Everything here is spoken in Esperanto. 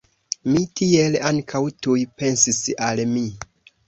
Mi tiel ankaŭ tuj pensis al mi!